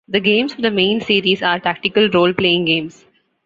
The games of the main series are tactical role-playing games.